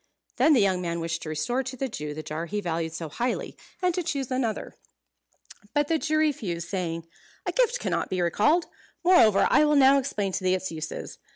Then the young man wished to restore to the Jew the jar he valued so highly, and to choose another. But the Jew refused, saying, "A gift cannot be recalled. Moreover, I will now explain to thee its uses.